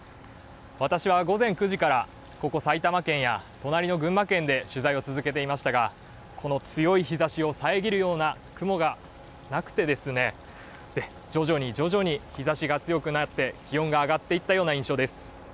私は午前９時から、ここ埼玉県や隣の群馬県で取材を続けていましたがこの強い日ざしを遮るような雲がなくて、徐々に徐々に日ざしが強くなって、気温が上がっていったような印象です。